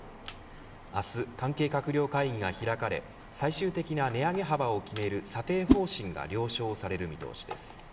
明日、関係閣僚会議が開かれ最終的な値上げ幅を決める査定方針が了承される見通しです。